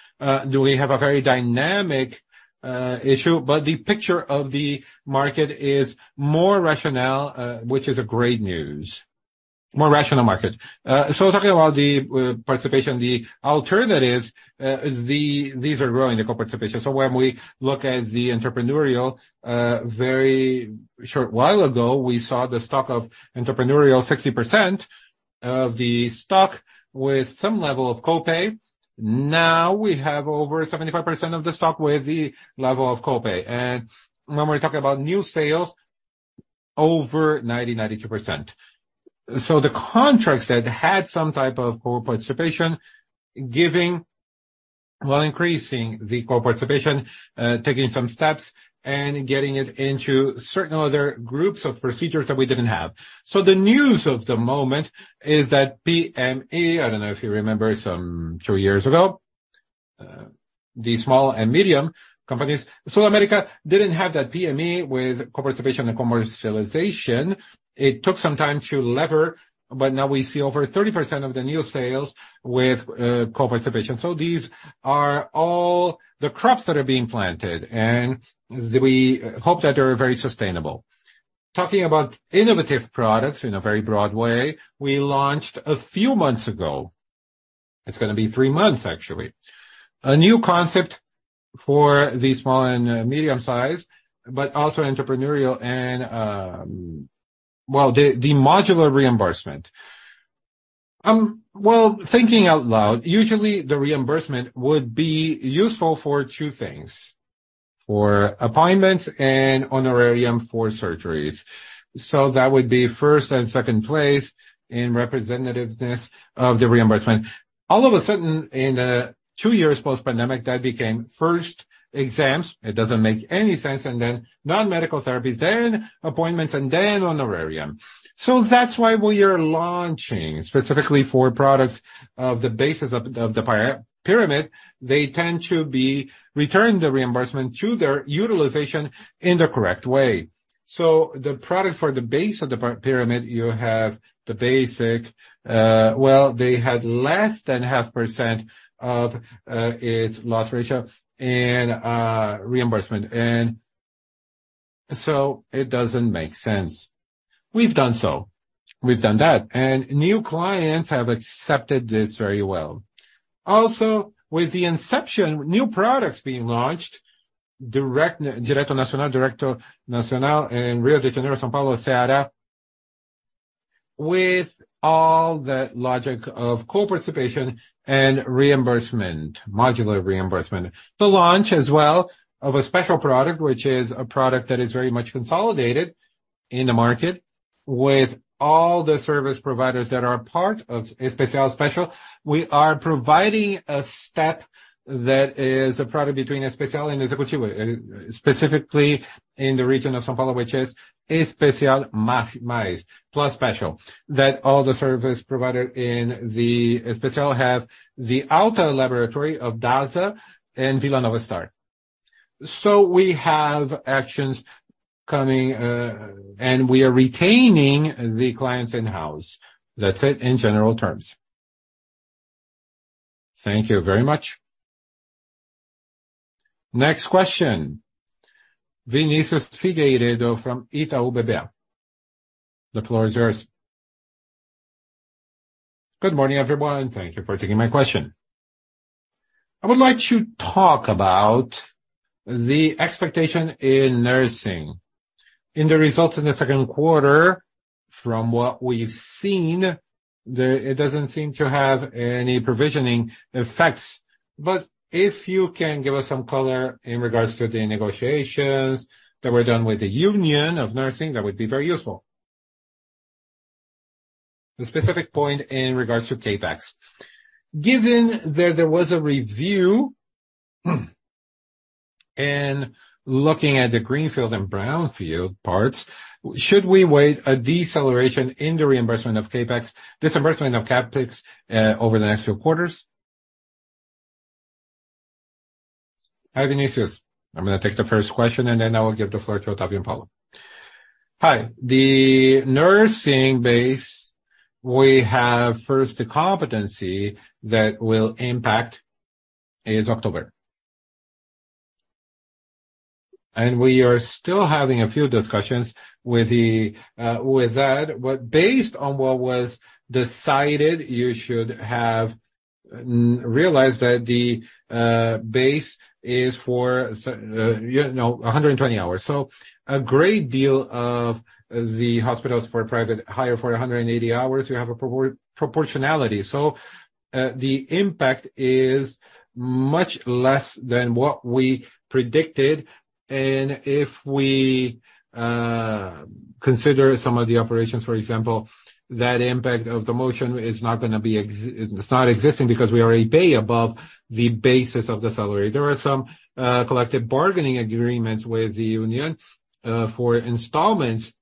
do we have a very dynamic issue? The picture of the market is more rational, which is a great news. More rational market. Talking about the participation, the alternatives, these are growing, the co-participation. When we look at the entrepreneurial, very short while ago, we saw the stock of entrepreneurial 60% of the stock with some level of co-pay. Now we have over 75% of the stock with the level of co-pay. When we're talking about new sales, over 90%, 92%. The contracts that had some type of co-participation, while increasing the co-participation, taking some steps and getting it into certain other groups of procedures that we didn't have. The news of the moment is that PME, I don't know if you remember, some two years ago, the small and medium companies. SulAmérica didn't have that PME with co-participation and commercialization. It took some time to lever, but now we see over 30% of the new sales with co-participation. These are all the crops that are being planted, and we hope that they're very sustainable. Talking about innovative products in a very broad way, we launched a few months ago. It's gonna be three months, actually. A new concept for the small and medium-size, but also entrepreneurial, the modular reimbursement. Thinking out loud, usually the reimbursement would be useful for two things: for appointments and honorarium for surgeries. That would be first and second place in representativeness of the reimbursement. All of a sudden, in two years post-pandemic, that became first exams. It doesn't make any sense, and then non-medical therapies, then appointments, and then honorarium. That's why we are launching specifically for products of the basis of the pyramid. They tend to be returning the reimbursement to their utilization in the correct way. The product for the base of the pyramid, you have the basic, they had less than 0.5% of its loss ratio and reimbursement, and so it doesn't make sense. We've done so. We've done that, new clients have accepted this very well. Also, with the inception, new products being launched, Direto Nacional, Direto Nacional in Rio de Janeiro, São Paulo, Ceará, with all the logic of co-participation and reimbursement, modular reimbursement. The launch as well of an Especial product, which is a product that is very much consolidated in the market with all the service providers that are part of Especial Especial. We are providing a step that is a product between Especial and Executivo, specifically in the region of São Paulo, which is Especial Mais, plus Especial, that all the service provider in the Especial have the auto laboratory of Dasa and Vila Nova Star. We have actions coming, we are retaining the clients in-house. That's it, in general terms. Thank you very much. Next question, Vinicius Figueiredo from Itaú BBA. The floor is yours. Good morning, everyone, and thank you for taking my question. I would like to talk about the expectation in nursing. In the results in the second quarter, from what we've seen, it doesn't seem to have any provisioning effects. If you can give us some color in regards to the negotiations that were done with the Union of Nursing, that would be very useful. The specific point in regards to CapEx. Given that there was a review, and looking at the greenfield and brownfield parts, should we wait a deceleration in the reimbursement of disbursement of CapEx over the next few quarters? Hi, Vinicius. I'm gonna take the first question, and then I will give the floor to Otávio and Paulo. Hi. The nursing base, we have first, the competency that will impact is October. We are still having a few discussions with that, but based on what was decided, you should have realized that the base is for, you know, 120 hours. A great deal of the hospitals for private hire for 180 hours, you have proportionality. The impact is much less than what we predicted, and if we consider some of the operations, for example, that impact of the motion is not gonna be it's not existing because we are a pay above the basis of the salary. There are some collective bargaining agreements with the union for installments,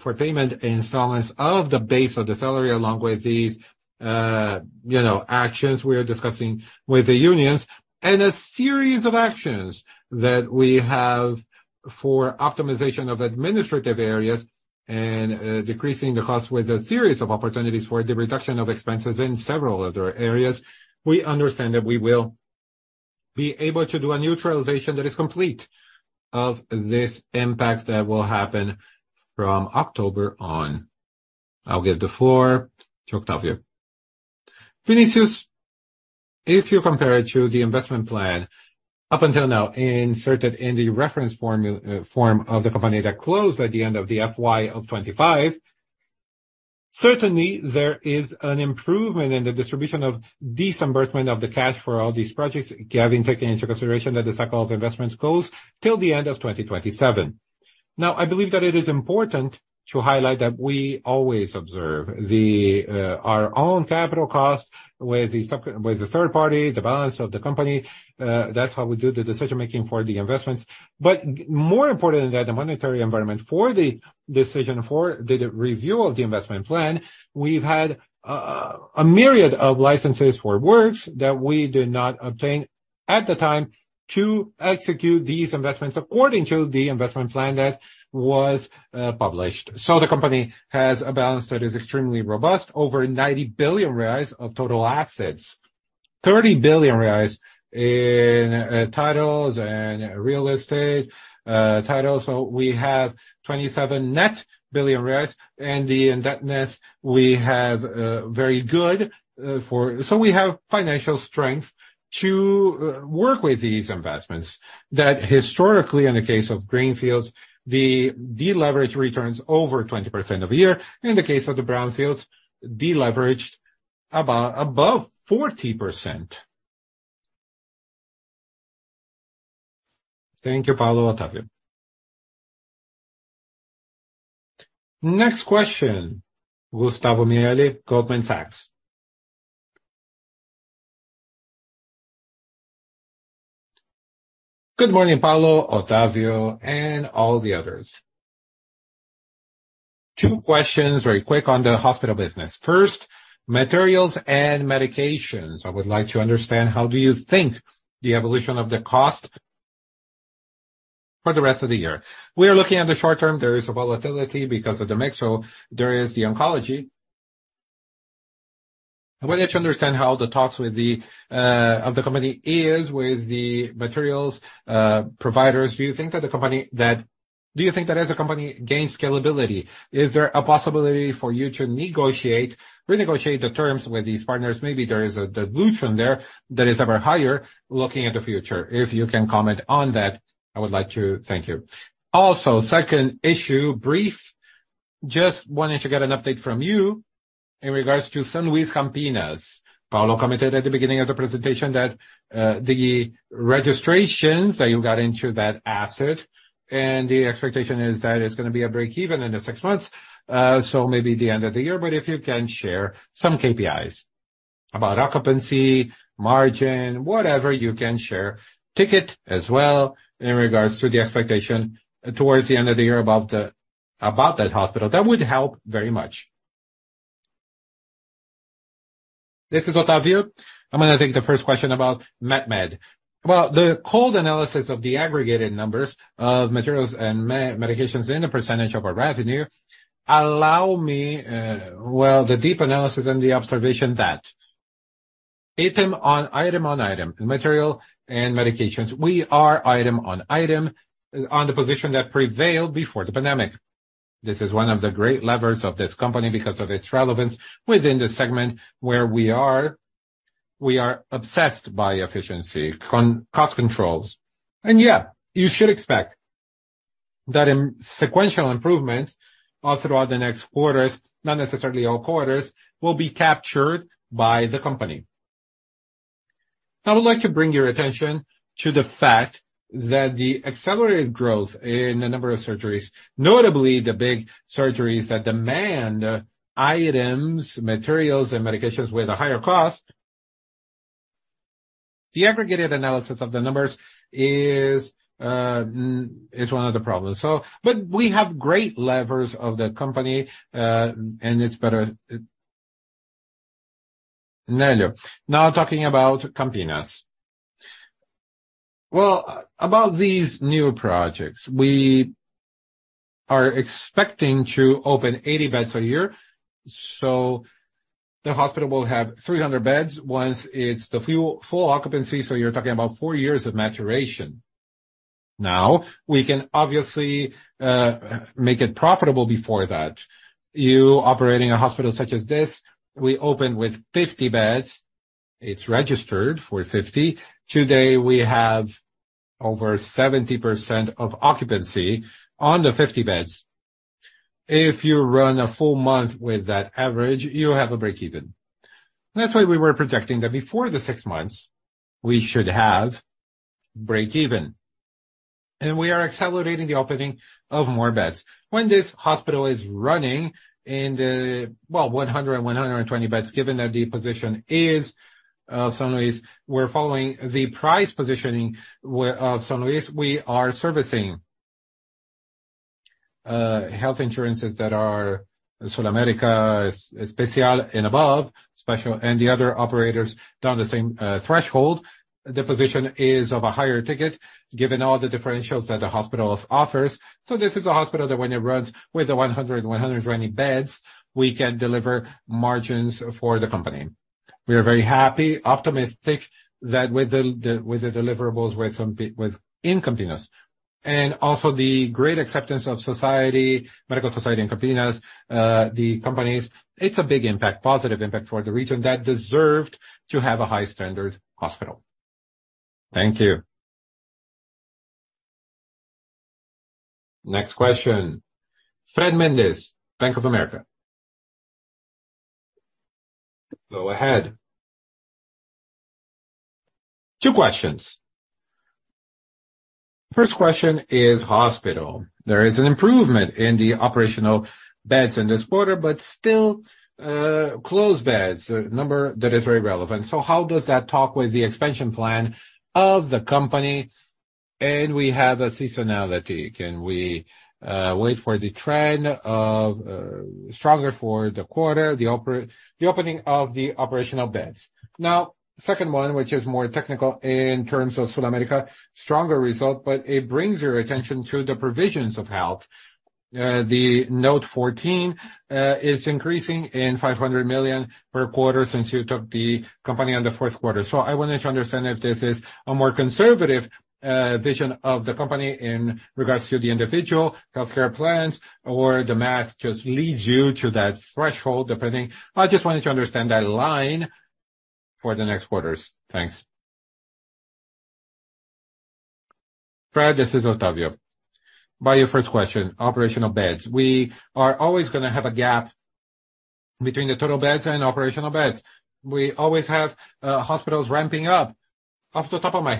for payment in installments of the base of the salary, along with these, you know, actions we are discussing with the unions. A series of actions that we have for optimization of administrative areas and decreasing the cost with a series of opportunities for the reduction of expenses in several other areas. We understand that we will be able to do a neutralization that is complete of this impact that will happen from October on. I'll give the floor to Otávio. Vinicius, if you compare it to the investment plan, up until now, inserted in the reference formu- form of the company that closed at the end of the FY of 2025, certainly there is an improvement in the distribution of disbursement of the cash for all these projects, having taken into consideration that the cycle of investments goes till the end of 2027. I believe that it is important to highlight that we always observe the our own capital costs with the sub. With the third party, the balance of the company, that's how we do the decision-making for the investments. More important than that, the monetary environment for the decision for the review of the investment plan, we've had a myriad of licenses for works that we did not obtain at the time to execute these investments according to the investment plan that was published. The company has a balance that is extremely robust, over 90 billion reais of total assets, 30 billion reais in titles and real estate titles. We have 27 billion reais net, and the indebtedness we have very good for. We have financial strength to work with these investments, that historically, in the case of greenfields, the deleverage returns over 20% of a year. In the case of the brownfields, deleveraged about above 40%. Thank you, Paulo, Otávio. Next question, Gustavo Miele, Goldman Sachs. Good morning, Paulo, Otávio, and all the others. two questions very quick on the hospital business. First, materials and medications. I would like to understand, how do you think the evolution of the cost for the rest of the year? We are looking at the short term, there is a volatility because of the mix. There is the oncology. I wanted to understand how the talks with the of the company is with the materials providers. Do you think that the company Do you think that as a company gains scalability, is there a possibility for you to renegotiate the terms with these partners? Maybe there is a dilution there that is ever higher looking at the future. If you can comment on that, I would like to thank you. Also, second issue, brief. Just wanted to get an update from you in regards to São Luiz Campinas. Paulo commented at the beginning of the presentation that the registrations that you got into that asset, the expectation is that it's gonna be a break-even in the six months, so maybe the end of the year. If you can share some KPIs about occupancy, margin, whatever you can share, ticket as well, in regards to the expectation towards the end of the year about that hospital. That would help very much. This is Otávio. I'm gonna take the first question about MatMed. Well, the cold analysis of the aggregated numbers of materials and medications in the percentage of our revenue allow me, well, the deep analysis and the observation that item on item on item, material and medications, we are item on item on the position that prevailed before the pandemic. This is one of the great levers of this company because of its relevance within the segment where we are. We are obsessed by efficiency, cost controls. Yeah, you should expect that in sequential improvements throughout the next quarters, not necessarily all quarters, will be captured by the company. I would like to bring your attention to the fact that the accelerated growth in the number of surgeries, notably the big surgeries that demand items, materials, and medications with a higher cost. The aggregated analysis of the numbers is one of the problems. We have great levers of the company, and it's better. Now, talking about Campinas. Well, about these new projects, we are expecting to open 80 beds a year, so the hospital will have 300 beds once it's the full, full occupancy, so you're talking about four years of maturation. Now, we can obviously make it profitable before that. You operating a hospital such as this, we open with 50 beds. It's registered for 50. Today, we have over 70% of occupancy on the 50 beds. If you run a full month with that average, you have a break-even. That's why we were projecting that before the 6 months, we should have break-even. We are accelerating the opening of more beds. When this hospital is running in the. Well, 100, 120 beds, given that the position is São Luiz, we're following the price positioning where São Luiz, we are servicing health insurances that are SulAmérica, Especial and above, Especial, and the other operators down the same threshold. The position is of a higher ticket, given all the differentials that the hospital offers. This is a hospital that when it runs with a 100, 120 beds, we can deliver margins for the company. We are very happy, optimistic that with the deliverables, with some with in Campinas, and also the great acceptance of society, medical society in Campinas, the companies, it's a big impact, positive impact for the region that deserved to have a high standard hospital. Thank you. Next question. Fred Mendes, Bank of America. Go ahead. Two questions. First question is hospital. There is an improvement in the operational beds in this quarter, but still, closed beds, a number that is very relevant. How does that talk with the expansion plan of the company? We have a seasonality. Can we wait for the trend of stronger for the quarter, the opening of the operational beds? Second one, which is more technical in terms of SulAmérica, stronger result, but it brings your attention to the provisions of health. The Note 14 is increasing in 500 million per quarter since you took the company on the 4th quarter. I wanted to understand if this is a more conservative vision of the company in regards to the individual healthcare plans or the math just leads you to that threshold, depending. I just wanted to understand that line for the next quarters. Thanks. Fred, this is Otávio. By your first question, operational beds. We are always gonna have a gap between the total beds and operational beds. We always have hospitals ramping up. Off the top of my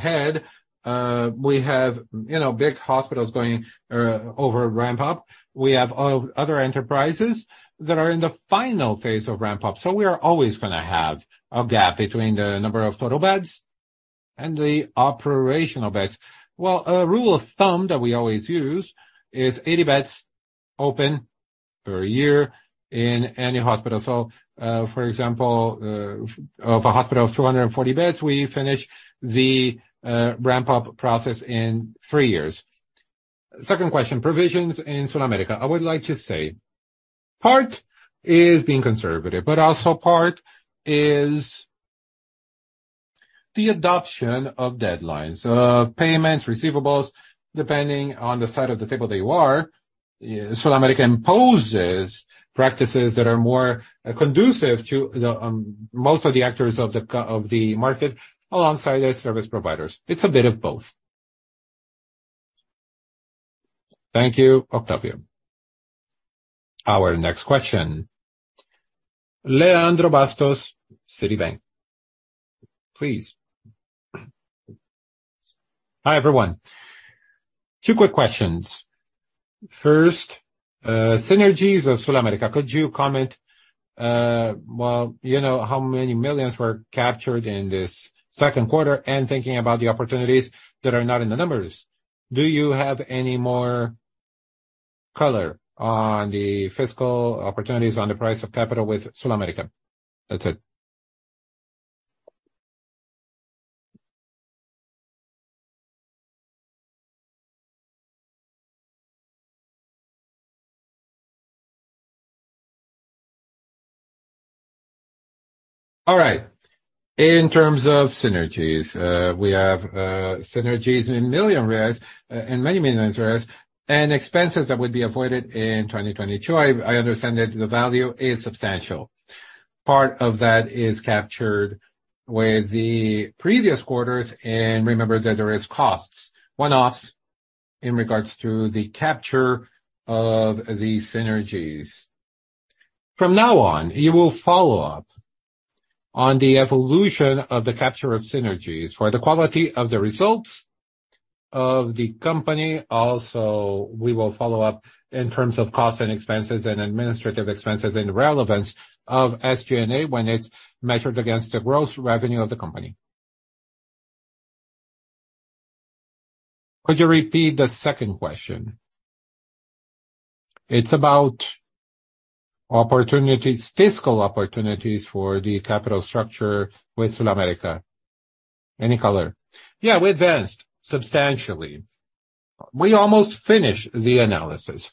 head, we have, you know, big hospitals going over ramp up. We have other enterprises that are in the final phase of ramp up. We are always gonna have a gap between the number of total beds and the operational beds. Well, a rule of thumb that we always use is 80 beds open per year in any hospital. For example, of a hospital of 240 beds, we finish the ramp-up process in three years. Second question, provisions in SulAmérica. I would like to say, part is being conservative, but also part is the adoption of deadlines, of payments, receivables, depending on the side of the table they are. SulAmérica imposes practices that are more conducive to the most of the actors of the market, alongside their service providers. It's a bit of both. Thank you, Otávio. Our next question, Leandro Bastos, Citibank, please. Hi, everyone. Two quick questions. First, synergies of SulAmérica, could you comment, well, you know, how many millions were captured in this second quarter? Thinking about the opportunities that are not in the numbers, do you have any more color on the fiscal opportunities on the price of capital with SulAmérica? That's it. All right. In terms of synergies, we have synergies in million, in many millions, and expenses that would be avoided in 2022. I, I understand that the value is substantial. Part of that is captured with the previous quarters, and remember that there is costs, one-offs, in regards to the capture of the synergies. From now on, you will follow up on the evolution of the capture of synergies for the quality of the results of the company. Also, we will follow up in terms of costs and expenses and administrative expenses and relevance of SG&A when it's measured against the gross revenue of the company. Could you repeat the second question? It's about opportunities, fiscal opportunities for the capital structure with SulAmérica. Any color? Yeah, we advanced substantially. We almost finished the analysis.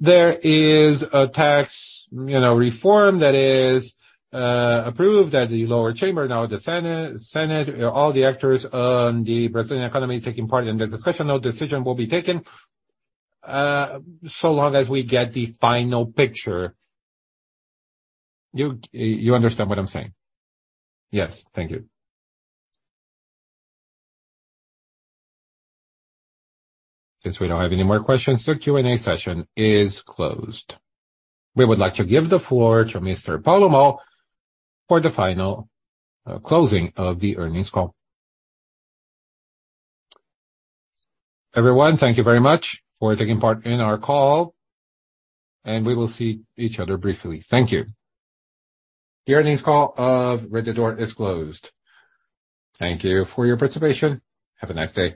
There is a tax, you know, reform that is approved at the lower chamber, now the Senate, all the actors on the Brazilian economy taking part. There's discussion, no decision will be taken so long as we get the final picture. You, you understand what I'm saying? Yes. Thank you. Since we don't have any more questions, the Q&A session is closed. We would like to give the floor to Mr. Paulo Moll for the final closing of the earnings call. Everyone, thank you very much for taking part in our call. We will see each other briefly. Thank you. The earnings call of Rede D'Or São Luiz is closed. Thank you for your participation. Have a nice day.